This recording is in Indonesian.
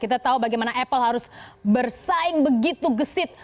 kita tahu bagaimana apple harus bersaing begitu gesit